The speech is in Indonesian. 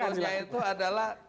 pantunnya itu adalah